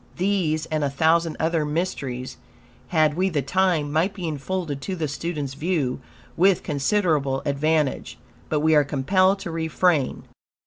These, and a thousand other mysteries, had we the time, might be unfolded to the student's view with considerable advantage, but we are compelled to refrain.